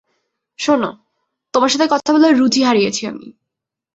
শোনো, তোমার সাথে কথা বলার রুচি হারিয়েছি আমি।